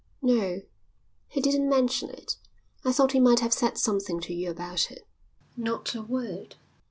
"No, he didn't mention it. I thought he might have said something to you about it." "Not a word."